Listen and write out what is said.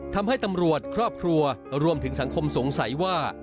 ทำให้ตำรวจครอบครัวรวมถึงสังคมสงสัยว่า